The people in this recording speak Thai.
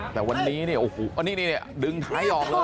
แต่วันนี้นี่ดึงไทท์ออกเลย